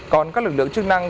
còn các lực lượng chức năng